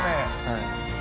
はい。